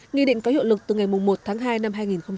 nghị định có hiệu lực từ ngày một tháng hai năm hai nghìn hai mươi